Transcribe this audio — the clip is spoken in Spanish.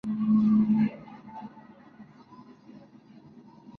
Trabaja la musculatura y flexibilidad, además de disminuir el dolor.